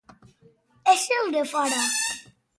És el de fora.